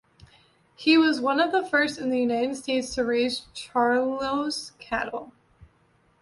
He was one of the first in the United States to raise Charolois cattle.